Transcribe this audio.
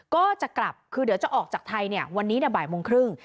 ก็จะกลับคือเดี๋ยวจะออกจากไทยวันนี้บ่ายโมงครึ่ง